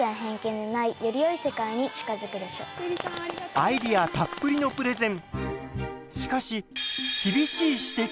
アイデアたっぷりのプレゼン。